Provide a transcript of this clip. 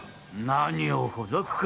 何をほざくか。